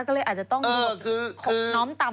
ก็เลยอาจจะต้องน้อมตำหน่อย